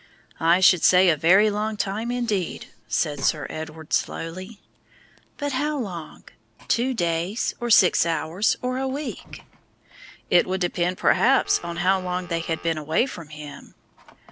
"I should say a very long time, indeed," said Sir Edward, slowly. "But how long? Two days, or six hours, or a week?" "It would depend perhaps on how long they had been away from Him."